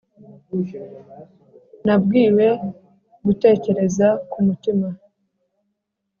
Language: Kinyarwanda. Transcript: nabwiwe gutekereza ku mutima,